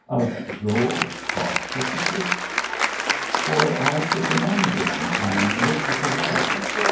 of droll cross purposes? "Or I put them on again, and looked at the wife.